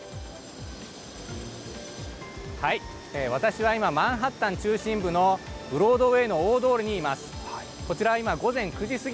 私は今、マンハッタン中心部のブロードウェイの大通りにいます。